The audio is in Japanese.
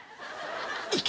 行け！